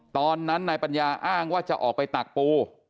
ตอนนั้นนายปัญญาอ้างว่าจะออกไปตักปู